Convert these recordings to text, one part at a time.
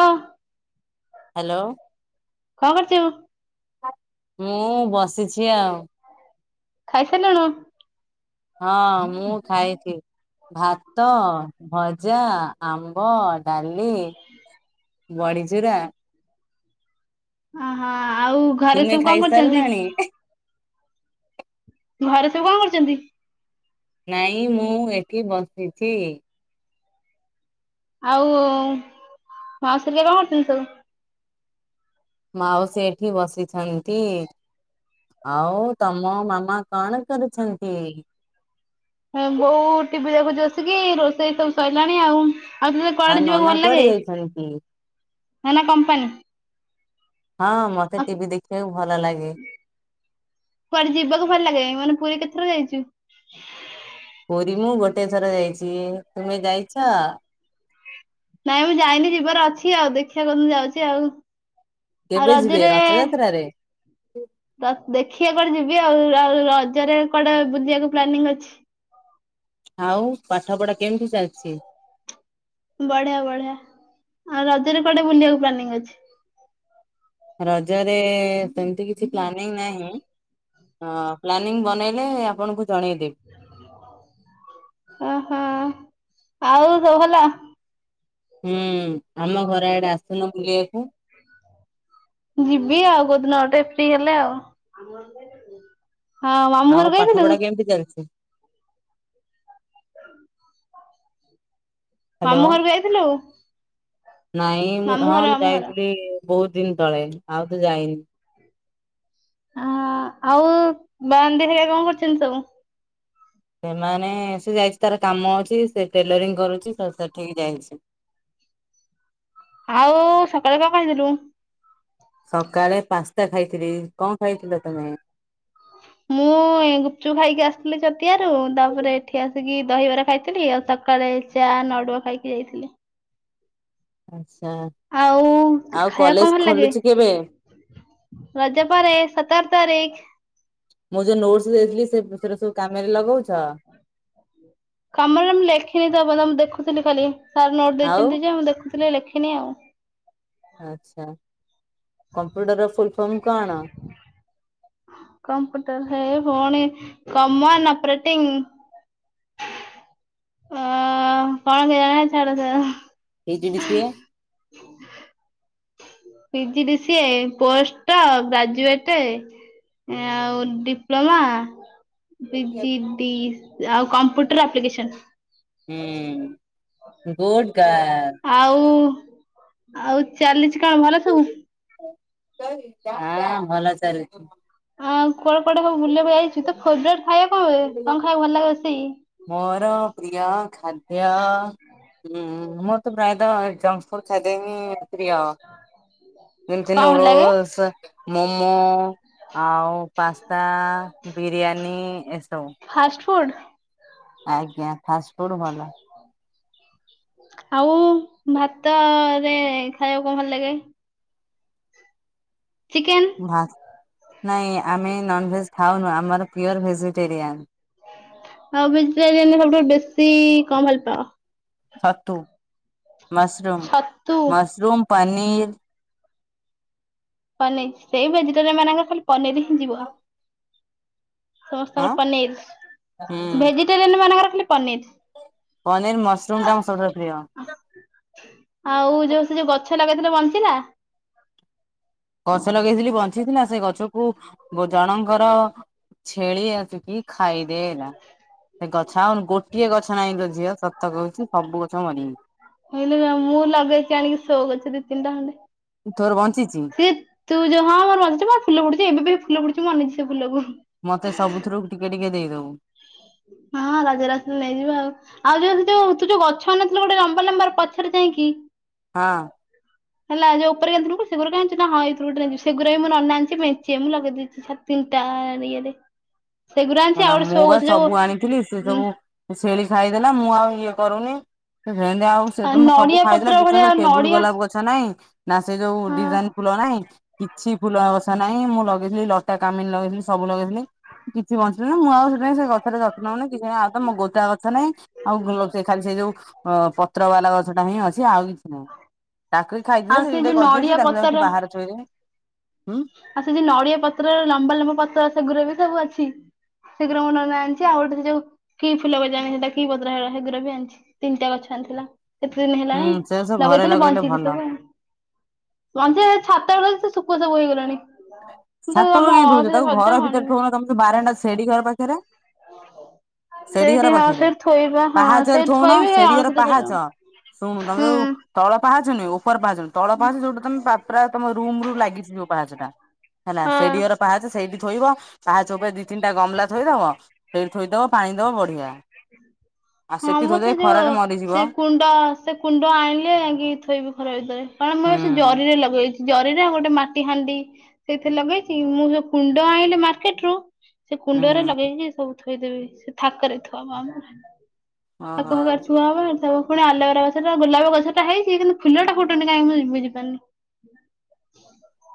ହଁ। ହ୍ୟାଲୋ। କଣ କରଛୁ? ମୁଁ ବସିଛି ଆଉ। ଖାଇସାରିଲେଣି? ହଁ ମୁଁ ଖାଇଛି ଭାତ, ଭଜା, ଆମ୍ବ ଡାଲି, ବଡିଚୁରା ଅହୋ ଆଉ ଘରେ ତୁମେ ସବୁ କଣ କରୁଛନ୍ତି? ଖାଇସାରିଲାଣି ଘରେ ସବୁ କଣ କରୁଛନ୍ତି? ନାଇଁ ମୁଁ ଏଠି ବସିଛି। ଆଉ ମାଉସିହରିକା କଣ କରୁଛନ୍ତି ସବୁ? ମାଉସି ଏଠି ବସିଛନ୍ତି। ଆଉ ତମ ମାମା କଣ କରୁଛନ୍ତି? ବୋଉ ଟିଭି ଦେଖୁଛୁ ବସିକି ରୋଷେଇ ସବୁ ସରିଲାଣି ଆଉ। ଆଉ ତୋତେ ଆଉ କୁଆଡେ ଯିବାକୁ ନନା ଭଲ କୁଆଡେ ଲାଗେ, ଯାଇଛନ୍ତି? ନା ନା କମ୍ପାନୀ। ହଁ, ମତେ ଆଉ ଟିଭି ଦେଖିବାକୁ ଭଲ ଲାଗେ। କୁଆଡେ ଯିବାକୁ ଭଲ ଲାଗେ? ମାନେ ପୁରୀ କେତେଥର ଯାଇଛୁ? ପୁରୀ ମୁଁ ଗୋଟେ ଥର ଯାଇଛି, ତୁମେ ଯାଇଛ? ନାଇଁ ମୁଁ ଯାଇନି ଯିବାର ଅଛି ଆଉ ଦେଖିବା କୋଉଦିନ ଯାଉଛି ଆଉ। ଆଉ କେବେ ଯିବେ ରଜରେ ରଥଯାତ୍ରାରେ ଦେଖିଆ କୁଆଡେ ଯିବି ଆଉ, ଆଉ ରଜରେ କଆଡେ ବୁଲିବାକୁ ପ୍ଲାନିଂ ଅଛି? ଆଉ ପାଠ ପଢା କେମିତି ଚାଲିଛି? ବଢିଆ ବଢିଆ, ଆଉ ରଜରେ କୁଆଡେ ବୁଲିବାକୁ ପ୍ଲାନିଂ ଅଛି? ରଜରେ ସେମିତି କିଛି ପ୍ଲାନିଂ ନାହିଁ ହଁ ପ୍ଲାନିଂ ବନେଇଲେ ଆପଣଙ୍କୁ ଜଣେଇଦେବି। ଓହୋ ଆଉ ସବୁ ଭଲ। ହୁଁ ଆମ ଘର ଆଡେ ଆସୁନ ବୁଲିବାକୁ। ଯିବି ଆଉ କୋଉଦିନ ଗୋଟେ ଫ୍ରି ହେଲେ ଆଉ। ହଁ ମାମୁ ଆଉ ଘରକୁ ଆଇଥିଲୁ? [unintelligible] ହ୍ୟାଲୋ ମାମୁଁ ଘରକୁ ଯାଇଥିଲୁ। ନାଇଁ ମୁଁ ମାମୁଁ ହଁ ଘର ମୁଁ ମାମୁଁ ଘର। ଯାଇଥିଲି ବହୁତ ଦିନ ତଳେ ଆଉ ତ ଯାଇନି। ହଁ ଆଉ ବାଇଆଣି ଦିଦି ହରିକା କଣ କରୁଛନ୍ତି ସବୁ? ସେମାନେ ସେ ଯାଇଛି ତାର କାମ ଅଛି ସେ ଟେଲରିଂ କରୁଛି ତ ସେଠିକି ଯାଇଛି। ଆଉ ସକାଳେ କଣ ଖାଇଥିଲୁ? ସକାଳେ ପାସ୍ତା ଖାଇଥିଲି, କଣ ଖାଇଥିଲ ତମେ? ମୁଁ ଗୁପଚୁପ ଖାଇକି ଆସିଥିଲି ଛତିଆରୁ ତାପରେ ଏଠି ଆସିକି ଦହିବରା ଖାଇଥିଲି, ଆଉ ସକାଳେ ଚା ନଡ଼ୁଆ ଖାଇକି ଯାଇଥିଲେ। ଆଛା। ଆଉ ଖାଇବାକୁ କଣ ଭଲ ଲାଗେ? କେବେ? ରଜ ପରେ ସତର ତାରିଖ। ମୁଁ ଯୋଉ ନୋଟସ୍ ଦେଇଥିଲି ସେ ସେରା ସବୁ କାମରେ ଲଗଉଛ। କାମରେ ମୁଁ ଲେଖିନି ତ ପର୍ଯ୍ୟନ୍ତ ମୁଁ ଦେଖୁଥିଲି ଖାଲି ସାର୍ ନୋଟ ଆଉ ଦେଇଛନ୍ତି ଯେ ମୁଁ ଦେଖୁଥିଲି ଲେଖିନି ଆଉ। ଆଛା। କମ୍ପ୍ୟୁଟର ର ଫୁଲ ଫର୍ମ କଣ? କମ୍ପୁଟର, ହେଇ ଭଉଣୀ କମନ ଅପରେଟିଂ ଆ କଣ କେଜାଣି, ଛାଡ, ଛାଡ। ପି ଜି ଡି ସିଏ। ପି ଜି ଡି ସିଏ- ପୋଷ୍ଟ ଗ୍ରାଜୁଏଟ ଆଉ ଡିପ୍ଲୋମା। ପିଜି ଡି ଆଉ କମ୍ପ୍ୟୁଟର ଆପ୍ଲିକେସନ। ହୁଁ, ଗୁଡ୍ ଗାର୍ଲ୍। ଆଉ, ଆଉ ଚାଲିଛି କଣ ଭଲ ସବୁ? ହାଁ, ଭଲ ଚାଲିଛି। ଆଉ କୁଆଡେ କୁଆଡେ ସବୁ ବୁଲିବାକୁ ଯାଇଛୁ। ତୋ ଫେବରେଟ ଖାଇବା କଣ? କଣ ଖାଇବାକୁ ଭଲ ଲାଗେ ରୋଷେଇ? ମୋର ପ୍ରିୟ ଖାଦ୍ୟ ହୁଁ, ମୋରତ ପ୍ରାୟତଃ ଏଇ ଜଙ୍କ ଫୁଡ୍ ଖାଦ୍ୟ ହିଁ ପ୍ରିୟ। ଯେମିତି କଣ ଭଲ ଲାଗେ ନୁଡୁଲସ୍, ମୋମୋ। ଆଉ pasta, biryani as fast food. ଆଜ୍ଞା ଫାଷ୍ଟଫୁଡ୍ ଭଲ। ଆଉ ଭାତରେ ଖାଇବାକୁ କଣ ଭଲ ଲାଗେ? ଚିକେନ୍। ଭାତ୍, ନାଇଁ ଆମେ ନନଭେଜ୍ ଖାଉନୁ ଆମର ପିଓର ଭେଜିଟେରିଆନ୍। ଆଉ ଭେଜିଟୋରିୟନରେ ସବୁଠାରୁ ବେଶୀ କଣ ଭଲ ପାଅ? ଛତୁ, ମଶରୁମ, ଛତୁ ମଶରୁମ ପନୀର୍। ପନିର। ସେଇ ଭେଜିଟେରିଆନ୍ ମାନଙ୍କର ଖାଲି ପନିର ହିଁ ଯିବ। ସମସ୍ତଙ୍କର ଆଁ ପନିର। ହୁଁ। ଭେଜିଟେରିଆନ୍ ମାନଙ୍କରଖାଲି ପନିର। ପନିର ମସରୁମ ଟା ମୋର ସବୁଠାରୁ ପ୍ରିୟ। ଆଉ ଯୋଉ ସେ ଯୋଉ ଗଛ ଲଗେଇଥିଲ ବଞ୍ଚିଲା। ଗଛ ଲଗେଇଥିଲି ବଞ୍ଚିଥିଲା ସେ ଗଛକୁ ଜଣଙ୍କର ଛେଳି ଆସିକିି ଖାଇଦେଲା। ସେ ଗଛ ଆଉ ଗୋଟିଏ ଗଛ ନାହିଁ ଲୋ ଝିଅ ସତ କହୁଛି ସବୁ ଗଛ ମରିଯାଇଛି। ମୁଁ କହିଲି ମୁଁ ଲଗେଇଛି ଆଣିକି ଶୋ ଗଛ ଦି ତିନିଟା ଖଣ୍ଡେ। ତୋର ବଞ୍ଚିଚି? ସେ ତୁ ଯୋଉ ହଁ ମୋର ବଞ୍ଚିଛି, ମୋର ଫୁଲ ଫୁଟୁଛି ଏବେ ବି ଫୁଲ ଫୁଟିଛି ମୁଁ ଅନେଇଛି ସେ ଫୁଲକୁ। ମତେ ସବୁଥିରୁ ଟିକେ ଟିକେ ଦେଇଦବୁ ହଁଁ ରଜରେ ଆସିଲେ ନେଇଯିବୁ ଆଉ। ଆଉ ଯୋଉ ସେ ଯୋଉ ତୁ ଯୋଉ ଗଛ ଆଣିନଥିଲୁ ଗୋଟେ ଲମ୍ବା ଲମ୍ବା ପଛରେ ଯାଇଁକି ହଁ। ହେଲା ଯୋଉ ଉପରେ ଏପଟକୁ ସେଗୁରାକ ଆଣିଛି। ନାଁ ହଁ ଏଥିରୁ ଗୋଟେ ନେବି, ସେଗୁରାକ ବି ମୋ ନନା ଆଣିଛି ମେଞ୍ଚେ ମୁଁ ଲଗେଇ ଦେଇଛି ଛାତ ତିନଟା ଇଏରେ। ସେଗୁଡା ଆଣିଛି ହେଲା ଆଉ ଗୋଟେ ମୁଁ ଶୋ ବା ଗଛ ସବୁ ଆଣିଥିଲି ସେ ଯୋଉ ସବୁ ଛେଳି ଖାଇଦେଲା ମୁଁ ଆଉ ଇଏ କରୁନି। ସେ ଜେନ୍ତି ଆଉ ସେଦିନ ସବୁ ନଡିଆ ଖାଇଥିଲା ପତ୍ର ଭଳିଆ ବିଶ୍ୱାସ କରିବୁନି ଟେବୁଲ ନଡିଆ ଗୋଲାପ ଗ ନାଇଁ ନା ସେ ଯୋଉ ହଁ ଡିଜାଇନ ଫୁଲ ନାହିଁ। କିଛି ଫୁଲଗଛ ନାହିଁ ମୁଁ ଲଗେଇଥିଲି ଲଟା କାମିନି ଲଗେଇଥିଲି ସବୁ ଲଗେଇଥିଲି ସେ ବଞ୍ଚିଲେନାହିଁ। ମୁଁ ଆଉ ସେଥିପାଇଁ ସେ ଗଛର ଯତ୍ନ ନଉନି କିଛି ନାହିଁ ଆଉ ତ ମୋର ଗୋଟାଏ ଗଛ ନାଇଁ। ଆଉ ଗୋ ସେ ଖାଲି ସେ ଯୋଉ ପତ୍ର ବାଲା ଗଛ ଟା ହିଁ ଅଛି ଆଉ କିଛି ନାହିଁ। ତାକୁ ବି ଖାଇଦେଲେ ଆଉ ସେ ବି ଟିକେ ଯୋଉ ନଡିଆ ଗଦେଇଛି ତାକୁ ଯାଉଛି ପତର ବାହାରେ ଥୋଇଦେବି। ହୁଁ। ଆଉ ସେ ଯୋଉ ନଡିଆ ପତ୍ର ଲମ୍ବା ଲମ୍ବା ପତ୍ର ସେଗୁରାବି ସବୁ ଅଛି। ସେଗୁରା ମୋ ନନା ଆଣିଛି ଆଉ ଗୋଟେ ସେ ଯୋଉ କି ଫୁଲ ଗଜ ଆଣି ସେଟା କି ପତ୍ର ହେ ସେଗୁରା ବି ଆଣିଛି ତିନିଟା ଗଛ ଆଣିଥିଲା। କେତେ ଦିନ ହୁଁ ହେଲାଣି ସେ ସବୁ ଘରେ ଲଗେଇଥିଲି ଲଗେଇଲେ ବଞ୍ଚିଛି ଭଲ। ସବୁ ବଞ୍ଚି ଛାତ ବଳ ସେ ସୁଖ ସବୁ ହେଇଗଲାଣି ମୁଁ ତାକୁ ସାତବେ ଆମ କାହିଁ ଥଉଚ୍ଚ ଅଳସୀରେ ତାକୁ ସଜ ଘର ହଉନି। ଭିତରେ ଥଉନ ତମେ ତ ବାରଟା ସେଢୀ ଘର ପାଖରେ ସେଡି ଘର ସେଇଠି ହଁ ପାଖରେ ସେଇଠି ଥୋଇବା ହଁ ପାହାଚରେ ସେଇଠି ଥୋଉନ ଥୋଇବି ହେଇ ସେଡି ଆଣ ଘର ସେଠ ସେ ପାହାଚ [unintelligible] ଶୁଣୁ ତମେ ଆଉ [unintelligible] ତଳ ପାହାଚ ନୁହ ଉପର ପାହାଚନ ତଳ ପାହାଚ ଯୋଉଟା ତମେ ପାତ୍ରା ତମ ରୁମ ରୁ ଲାଗି ଯଉ ପାହାଚ ଟା ହେଲା ହଁ ସେଇଠିର ପାହାଚ ସେଇଠି ଥୋଇବ ପାହାଚୋବେ ଦି ତିନି ଗେମ୍ ମଲା ଥୋଇଦବ ସେ ଥୋଇଦବ ପାଣି ବଢ଼ିଆ ହଁ ମୁଁ ତ ଯୋଉ ମରିଯିବ ସେ କୁଣ୍ଡ ସେ କୁଣ୍ଡ ଆଣିଲେ ଆ ଥୋଇବି ଖରା ଭିତରେ କାରଣ ମୁଁ ହୁଁ ସେ ଜରିରେ ଲଗେଇଛି ଜରିରେ ଗୋଟେ ମାଟି ହାଣ୍ଡି ସେଇଥିରେ ଲଗେଇଛି ମୁଁ ଯ କୁଣ୍ଡ ଆଣିଲି ମାର୍କେଟ ରୁ ସେ ହୁଁ କୁଣ୍ଡରେ ହୁଁ ଲଗେଇକି ସବୁ ଥୋଇଦେବେ ସେ ଥାକରେ ଥୁଆ ଆ କରେ ଥଆ ଓହୋ ହବ କରି ଥବ [unintelligible] ପୁଣି ଆଲବାର ଗଛଟ ଗୋଲାପ ଗଛା ହେଇଛି କିନ୍ତୁଲଟା ଫୁନ କାହିଁ ମୁଁ ବୁଝିପାରୁନି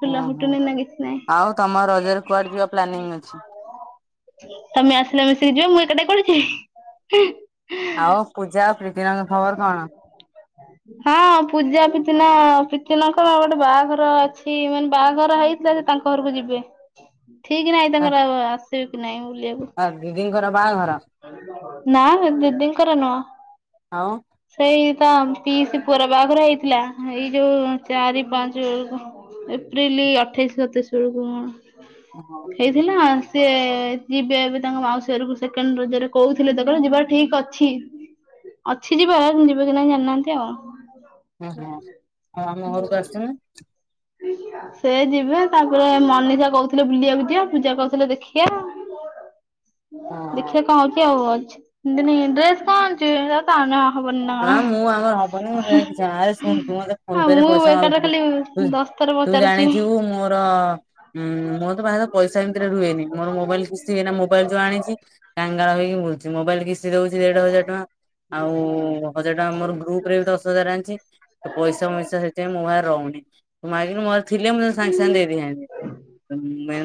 ଖୁଲା ହୁଁ ହୁଁ ହୁଟନ ଲାଗ ଆଉ ତମ ନାଇଁ ରଜରେ କୁଆଡେ ଯିବା ପ୍ଲାନିଂ ଅଛି [unintelligible] ତମେ ଆସିଲା ମିଶିକି ଯିବା ମୁଁ ଏ କୁଟିକା କୁଆଡେ଼ ଯିବି। ଆଉ ପୂଜା ଆଉ ପ୍ରୀତିରଙ୍ଗ ଖବର କଣ ହଁ ପୂଜା ପିତିନା ପିତି ନଙ୍କ ଗୋଟେ ବାହାଘର ଅଛି ମାନେ ବାହାଘର ହେଇ ତାଙ୍କ ଘରକୁ ଯିବେ ଠିକ ନାଇଁ ତାଙ୍କର ଆସିବେ କି ନାଇଁ ବୁଲିବାକୁ ଆ ଦିଦିଙ୍କର ବାହାଁଘର ନା ଦିଦିଙ୍କର ନୁହଁ ଆଉ ସେଇ ତ ପେଇଶି ପୁଅ ର ବାହାଘରେ ହେଇଥିଲା ଏଇ ଯୋଉ ଚାରି ପାଞ୍ଚ ଏପ୍ରିଲ ଅଠେଇଶ ସତେଇଶ ବେଳକୁ ହଁ କଣ ହେଇଥିଲା ସିଏ ଯିବେ ଏ ତାଙ୍କ ମାଉସୀ ଘରକୁ ସେକଣ୍ଡ ରଜରେ କହୁଥିଲେ ଦେ କ ଯିବା ଠିକ ଅଛି ଅଛି ଯିବା ଯିବ କି ନାହି ଜାଣିନାହାନ୍ତି ଆଉ ହଁ ହଁ ଆଉ ଆମ ଘରକୁ ଆସିନୁ। ସେ ଯିବେ ତାଙ୍କର ମନୀଷା କହୁଥିଲେ ବୁଲିବାକୁ ଯିବା ପୂଜା କହୁଥିଲେ ଦେଖିଆ। ହଁ। ଦେଖିବା କଣ ହଉଛି ଆଉ ଅଛି ଏମତି ନାଇ ଡ୍ରେସ୍ କଣ ଚ ତାାନ ଆହ ବନ ନା ହଁ ମୁଁ ଆମର ହବନି ମୁଁ ସେ କିଛି ଆରେ ଶୁଣ ତୁ [unintelligible] ମତେ ଫୋନ ହଁ ପେ ରେ ମୁଁ ପଇସା ବେକାର ଟା ମାଗୁଥିଲୁ ରେ ଖାଲି ତୁ ଦଶ ଥର ତୁ ପଚାରୁଛି। ଜାଣିଥିବୁ ମୋର ହୁଁ ମୋର ତ ବାହାଘର ପଇସା ଏମତି ରୁହେନି ମୋର ମୋବାଇଲ କିସ୍ତି ଏଇନା ମୋବାଇଲ ଯୋଉ ଆଣିଛି କାଙ୍ଗାଳ ହେଇକି ବୁଲୁଛି ମୋବାଇଲ କିିସ୍ତି ଦଉଛି। ଦେଢ ହଜାର ଟଙ୍କା ଆଉ ହଜାର ଟଙ୍କା ମୋର ଗ୍ରୁପ ରେ ଦଶ ହଜାର ଆଣିଛି ପଇସା ଫଇସା ସେଥିପାଇଁ ମୁଁ ପାଖରେ ରହୁନି ମାଗିନି ମ ଥିଲେ ମୁଁ ତତେ ସାଙ୍ଗେ ସାଙ୍ଗେ ଦେଇଦେଇଥାନ୍ତି।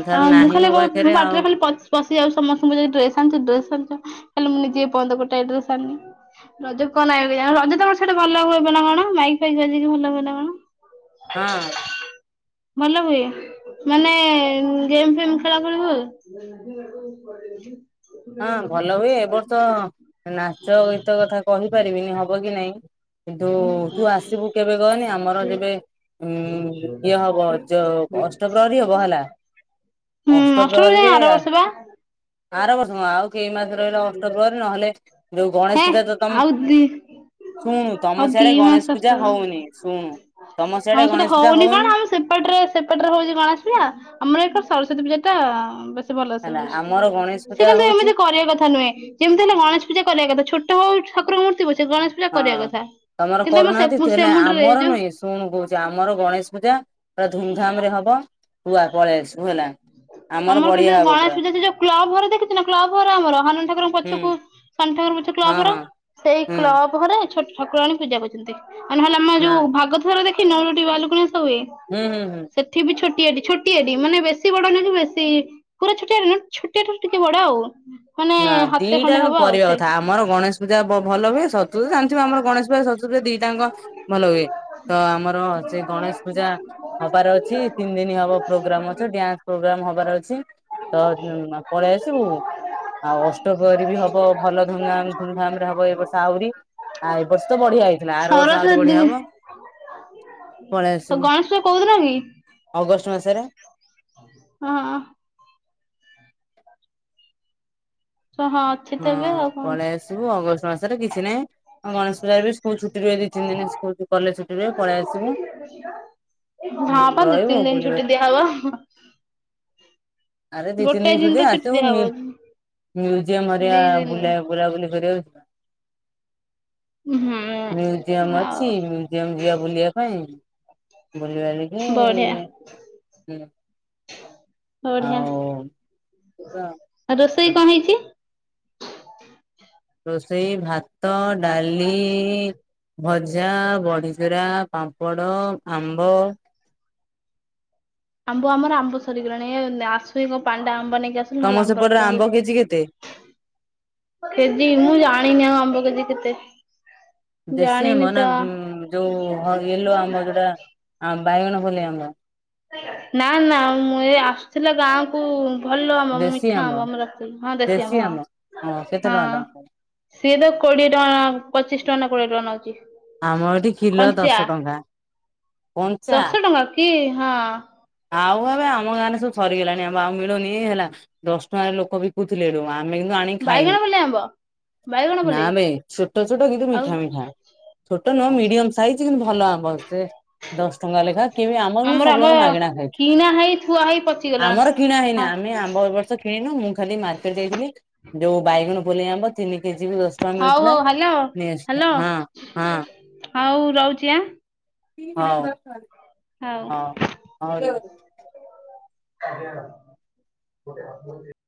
ଥା ଆଉ ମୁଁ ନାହିଁ ଖାଲି ମୋ ପାଖରେ ଆଉ ବାଟରେ ଖାଲି ପ ପଶି ଯାଉଛି ସମସ୍ତଙ୍କୁ ପଚାରୁଛି ଡ୍ରେସ ଆଣିଛୁ ଡ୍ରେସ ଆଣିଛୁ ହେଲେ ମୁଁ ନିଜେ ଏ ପର୍ଯ୍ୟନ୍ତ ଗୋଟେ ଡ୍ରେସ ଆଣିନି। ରଜ କଣ ନ ରଜ ତମର ସେଇଠି ଭଲ ହୁଏବ ନା କଣ ମାଇକ ଫାଇକ ଆଜିକି ଭଲ ହୁଏ ନା କଣ। ହଁ। ଭଲ ହୁଏ ମାନେ ହ [unintelligible] ଗେମ୍ ଫେମ୍ ଖେଳା ଖେଳି ହୁଏ? ହଁ ଭଲ ହୁଏ। ଏ ବର୍ଷ ନାଚ ଗୀତ କଥା କହିପାରିବିନି ହବ କି ନାଇଁ। କିନ୍ତୁ ତୁ ଆସିବୁ କେବେ କହନି? ଆମର ଯେବେ ଉଁ ଇଏ ହବ ଯୋଉ ଅଷ୍ଟପ୍ରହରୀ ହବ ହେଲା ହୁଁ ଅଷ୍ଟ ଅଷ୍ଟମ ଯାଏଁ ପ୍ରହରୀରେ ଆର ଆ ବର୍ଷ ବା। ଆର ବର୍ଷ ନୁହଁ ଆଉ ଏଇ ମାସ ରହିଲା ଅଷ୍ଟପ୍ରହରୀ ନହେଲେ ଯୋଉ ଗଣେଶ ହେ ପୂଜା ତ ତମ ଆଉ ଦି ଶୁଣୁ ଆଉ ତମର ଦି ସିଆଡେ ମାସ ଗଣେଶ ଆସୁଚି। ପୂଜା ହଉନି ଶୁଣୁ ତମର ଆମ ସିଆଡେ ସେଟା ଗଣେଶ ପୂଜା କଣ ହଉନି। ଆମ ସେପଟରେ ସେପଟରେ ହଉଛି ଗଣେଶ ପୂଜା ଆମର ଏ ସରସ୍ଵତୀ ପୂଜା ଟା ଭଲସେ ହେଲା ହଉଛି ଆମର ଗଣେଶ ସେ ପୂଜା କିନ୍ତୁ ଏମିତି ହଉଛି। କରିବା କଥା ନୁହେଁ। ଯେମିତି ହେଲେ ଗଣେଶ ପୂଜା କରିବା କଥା। ଛୋଟ ହଉ ଠାକୁର ମୂତ୍ତି ପଛେ ଗଣେଶ ପୂଜା କରିବା ହଁ କଥା କିନ୍ତୁ ଆମର ସେ ସେ ମୁଣ୍ଡରେ ଯୋଉ ଶୁଣ କହୁଛି ଆମର ଗଣେଶ ପୂଜା ପା ଧୁମଧାମ ରେ ହବ ତୁ ପଳେଇ ଆସିବୁ ହେଲା। ଆମର ବଢିଆ କିନ୍ତୁ ହବ ଗଣେଶ ପୁରା ପୂଜା ଯୋଉ କ୍ଲବ ଘର ଦେଖିଛୁ ନା କ୍ଲବ ଘର ଆମର ହନୁମାନ ଠାକୁର ହୁଁ ପଛକୁ ଶନି ଠାକୁର ପଛକୁ ଯୋଉ କ୍ଲବ ହଁ ଘର ହଁ ସେଇ ହୁଁ କ୍ଲବ ଘରେ ଛୋଟ ଠାକୁର ଆଣି ପୂଜା ପାଉଛନ୍ତି। ଆଉ ନହେଲେ ଆମ ନା ଯୋଉ ଭାଗବତ ଘର ଦେଖିନୁ ଆମର ଯୋଉଠି ଭାଲୁକୁଣି ଓଷା ହୁଏ ହୁଁ ହୁଁ ହୁଁ ସେ ସେଠି ବି ଛୋଟିଆଟି ଛୋଟିଆଟି ମାନେ ବେଶୀ ବଡ ନା କି ବେ ସେ ପୁରା ଛୋଟିଆ ଛୋଟିଆଠାରୁ ଟିକେ ବଡ ଆଉ ମାନେ ନା ହାତେ ଦିଇଟା ଖଣ୍ଡେ ହବ ଆଉ କରିବା ସେ କଥା ଆମର ଗଣେଶ ପୂଜା ଭଲ ହୁଏ ସରସ୍ବତୀ ଜାଣିଥିବ ଆମର ଗଣେଶ ପୂଜା ସର ସ୍ୱତୀ ଦିଇଟାଙ୍କ ଭଲ ହୁଏ ତ ଆମର ସେ ଗଣେଶ ପୂଜା ହବାର ଅଛି ତିନି ଦିନ ହବ ପ୍ରୋଗ୍ରାମ ଅଛି ଡ୍ୟାନ୍ସ ପ୍ରୋଗ୍ରାମ ହବାର ଅଛି ତ ପଳେଇ ଆସିବୁ। ଆଉ ଅଷ୍ଟପ୍ରହରୀ ବି ହବ ଭଲ ଧୁମଧାମ ଧୁମଧାମ ରେ ହବ ଏ ବର୍ଷ ଆହୁରି। ଆଉ ଏ ବର୍ଷ ତ ବଢିଆ ହେଇଥିଲା ଆର ବର୍ଷ ଆହୁରି ବଢିଆ ହବ। ପଳେଇ ତ ଆସିବୁ ଗଣେଶ ପୂଜା କୋଉ ଦିନ କି? ଅଗଷ୍ଟ ମାସରେ। ହଁ। ତ ହଁ। ଅଛି ତ ହଁ ଏବେ ଆଉ କଣ ଅଛି। ପଳେଇ ଆସିବୁ ଅଗଷ୍ଟ ମାସରେ କିଛି ନାହିଁ ଅ ଗଣେଶ ପୂଜାରେ ବି ସ୍କୁଲ ଛୁଟି ରହେ ଦି ତିନି କଲେଜ ଛୁଟି ରେ ପଳେଇ ଆସିବୁ। ହଁ ପା ଦି ରହିବୁ ତିନି ଦିନ ବୁଲିବା ଛୁଟି ଦିଆହବ। ଆରେ ଦି ତିନି ଗୋଟାଏ ଦିନ ଛୁଟି ତ ଆସିବୁ ଦିଆହବ ନି ମି ମ୍ୟୁଜିିୟମ ଦି ଦିନ ବୁଲାବୁଲି କରିବାକୁ ହୁଁ ମ୍ୟୁଜିିୟମ ଆଉ ଅଛି ମ୍ୟୁ ମ୍ୟୁଜୟମ ଯିବା ବୁଲିବା ପାଇଁ ବୁଲି ବଢିଆ ବାଲିକି ବଢିଆ। ଆଉ ରୋଷେଇ କଣ ହେଇଛି? ରୋଷେଇ ଭାତ ଡାଲି ଭ ଭଜା, ବଢିଚୁରା, ପାମ୍ପଡ଼, ଆମ୍ବ। ଆମ୍ଭ ଆମର ଆମ୍ଭ ସରିଗଲାଣି ଆସୁ ଏକ ପାଣ୍ଡା ଆମ୍ବ ନେଇକି ଆସି ତମ ସେପଟରେ ଆମ୍ବ କେଜି କେତେ? କେଜି ମୁଁ ଜାଣିନି ଆଉ ଆମ୍ବ କେଜି କେତେ? ଦେଶୀ ଜାଣିନି ଆମ୍ବ ନା ତ ଯୋଉ ୟେଲୋ ଆମ୍ବ ଯୋଉଟା ବାଇଗଣ ପଳେଇ ଆମ୍ବ। ନା ନା ମୁଁ ଏ ଆସୁଥିଲା ଗାଁ କୁ ଭଲ ଆମ୍ବ ମିଠା ଆମ୍ବ ମୁଁ ରଖଥିଲି ହଁ ଦେଶି ଦେଶୀ ଆମ୍ବ। ହଁ, କେତେ ଟଙ୍କା ତମ ହଁ। ସିଏ ତ କୋଡିଏ ଟଙ୍କା ପଚିଶ ଟଙ୍କା ନା କୋଡିଏ ଟଙ୍କା ନଉଛି। ଆମର ଏଠି କିଲୋ କଞ୍ଚା। ଦଶ ଟଙ୍କା କଞ୍ଚା। ଦଶ ଟଙ୍କା କି ହଁ। ଆଉ ଏବେ ଆମ ଗାଁ ରେ ସବୁ ସରିଗଲାଣି ଆମ୍ଭ ଆଉ ମିଳୁନି ହେଲା ଦଶ ଟଙ୍କାରେ ଲୋକ ବି ବିକୁଥିଲେ ହେଟୁ ଆମେ କିନ୍ତୁ ଆଣିକି ବାଇଗଣ ଖାଇନୁ। ପଲେଇ ଆମ୍ବ ବାଇଗଣ ନା ପଲେଇ ମେ ଛୋଟ ଛୋଟ କିନ୍ତୁ ଆଉ ମିଠା ମିଠା। ଛୋଟ ନୁହଁ ମିଡିୟମ ସାଇଜ୍ କିନ୍ତୁ ଭଲ ଆମ୍ବ ସେ ଦଶ ଟଙ୍କା ଲେଖା କେବେ ଆମରୁ ଆମର ସବୁ ଆମ୍ବ ଯାକ ମାଗେଣା। କିଣା ହେଇ ଥୁଆ ହେଇ ପଚିଗଲା। ଆମର କିଣା ହେଇନା ହଁ ଆମେ ଆମ୍ବ ଏ ବର୍ଷ କିଣିନୁ ମୁଁ ଖାଲି ମାର୍କେଟ ଯାଇଥିଲି। ଯୋଉ ବାଇଗଣ ପଲେଇ ଆମ୍ବ ତିନି କେଜି କୁ ଦଶ ଟଙ୍କା ହଉ ମିଳୁଥୁଲା ହଉ ହ୍ୟାଲୋ ନେଇ ଆସିଥା ହଁ ହଁ। ହୋଉ ରହୁଚି ଆଁ। ହଉ। ହଉ। ହଉ ହଉ।